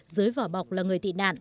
dưới vỏ bọc là người tị nạn